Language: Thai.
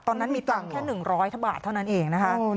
ตอนนั้นมีตังค์แค่๑๐๐บาทเท่านั้นเองนะคะ